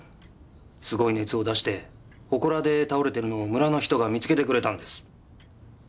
すごい熱を出してほこらで倒れてるのを村の人が見つけてくれたんです。